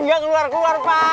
dia keluar keluar pak